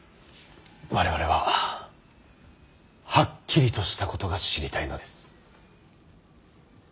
我々ははっきりとしたことが知りたいのです。